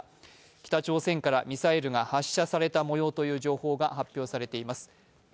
北朝鮮からミサイルが発車された模様という情報が発表されています。